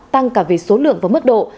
tăng cả về số lượng và mức độ